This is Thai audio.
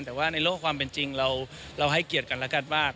แต่ว่าในโลกความเป็นจริงเราให้เกียรติกันแล้วกันว่า